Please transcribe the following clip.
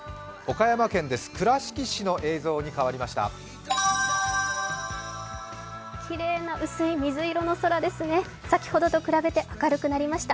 岡山県です、倉敷市の映像に変わりました。